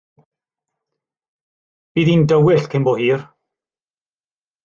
Bydd hi'n dywyll cyn bo hir.